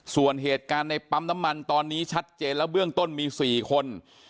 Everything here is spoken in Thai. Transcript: ส่วนเหตุการณ์ในปั๊มน้ำมันตอนนี้ชัดเจนแล้วเบื้องต้นมี๔คน